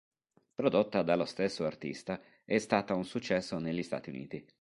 Prodotta dallo stesso artista, è stata un successo negli Stati Uniti.